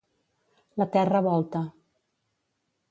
La terra volta.